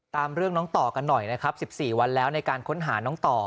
ตามเรื่องน้องต่อกันหน่อยนะครับ๑๔วันแล้วในการค้นหาน้องต่อ